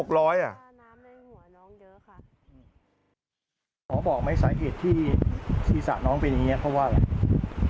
หมอบอกไหมสาเหตุที่ศีรษะน้องเป็นอย่างนี้เพราะว่าอะไร